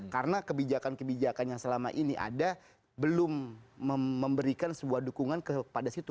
karena kebijakan kebijakan yang selama ini ada belum memberikan sebuah dukungan kepada situ